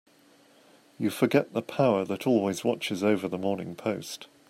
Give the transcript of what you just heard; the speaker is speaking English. You forget the power that always watches over the Morning Post.